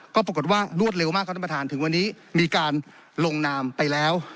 ก็ปรากฏว่ารวดเร็วมากครับท่านประธานถึงวันนี้มีการลงนามไปแล้ว